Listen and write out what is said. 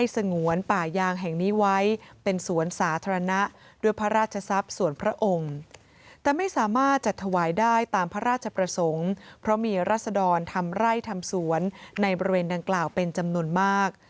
ส่วนสาธารณะด้วยพระราชทรัพย์สวนพระองค์แต่ไม่สามารถจัดถวายได้ตามพระราชประสงค์เพราะมีรัฐดรรมทำไร่ทำสวนในบริเวณดังกล่าวเป็นจำนวนมาก